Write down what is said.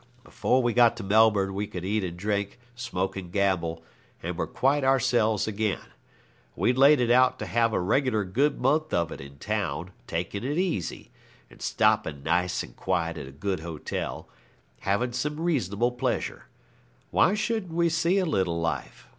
Before we got to Melbourne we could eat and drink, smoke and gamble, and were quite ourselves again. We'd laid it out to have a reg'lar good month of it in town, takin' it easy, and stopping nice and quiet at a good hotel, havin' some reasonable pleasure. Why shouldn't we see a little life?